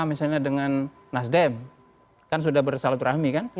misalnya dengan nasdem kan sudah bersalat rahmi kan